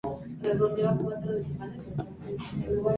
El fruto es una cápsula que contiene pequeñas semillas globosas.